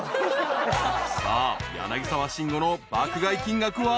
［さあ柳沢慎吾の爆買い金額は］